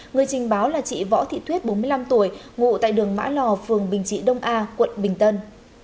người trình báo là chị võ thị thuyết bốn mươi năm tuổi ngụ tại đường mã lò phường bình trị đông a quận bình tân